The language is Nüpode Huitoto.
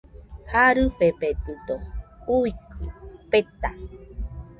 Jarɨfededɨdo uikɨ peta